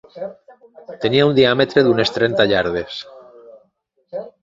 Tenia un diàmetre d'unes trenta iardes.